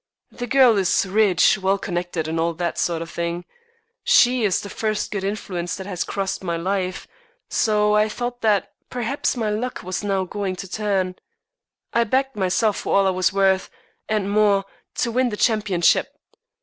The girl is rich, well connected, and all that sort of thing. She is the first good influence that has crossed my life, so I thought that perhaps my luck was now going to turn. I backed myself for all I was worth, and more, to win the championship.